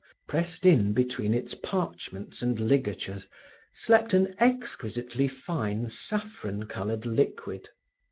pressed in between its parchments and ligatures, slept an exquisitely fine saffron colored liquid.